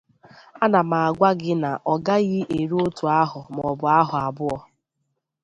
ana m agwa gị na ọ gaghị eru otu ahọ maọbụ ahọ abụọ